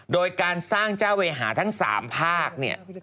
โดยการสร้างเจ้าเวหาทั้งสามภาค